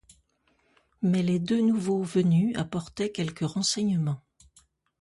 Mais les deux nouveaux venus apportaient quelques renseignements.